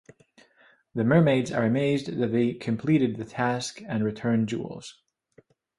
The mermaids are amazed that they completed the task and return Jules.